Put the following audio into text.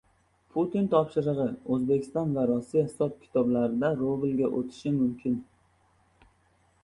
Putin topshirig‘i: O‘zbekiston va Rossiya hisob-kitoblarda rublga o‘tishi mumkin